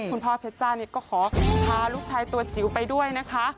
คุณพ่อเพชรจ้านี่ก็ขอพาลูกชายตัวจิ๋วไปด้วยนะคะ